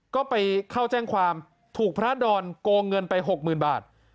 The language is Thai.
ก็ไปเข้าแจ้งความถูกพระดอนโกงเงินไป๖๐๐๐บาท